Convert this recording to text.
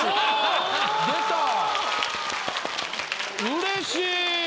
うれしい。